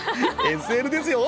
ＳＬですよ